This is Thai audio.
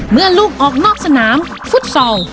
เมื่อลูกออกนอกสนามฟุตซอล